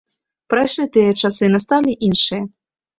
Прайшлі тыя часы, насталі іншыя.